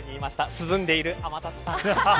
涼んでいる天達さん。